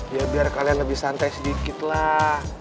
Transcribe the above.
ya biar kalian lebih santai sedikit lah